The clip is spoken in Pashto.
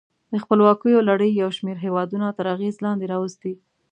د خپلواکیو لړۍ یو شمیر هېودونه تر اغېز لاندې راوستي.